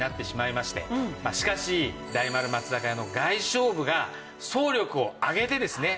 しかし大丸松坂屋の外商部が総力をあげてですね